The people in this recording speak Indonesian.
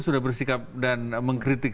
sudah bersikap dan mengkritik